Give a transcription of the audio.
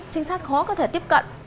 trinh sát khó có thể tiếp cận